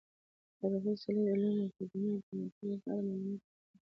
تاريخي څلي، علومو اکادميو، جوماتونه په اړه معلومات ورکړي دي